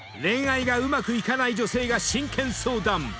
［恋愛がうまくいかない女性が真剣相談。